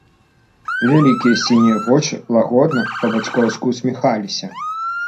Вялікія сінія вочы лагодна, па-бацькоўску, усміхаліся.